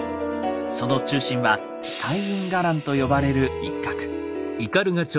その中心は「西院伽藍」と呼ばれる一画。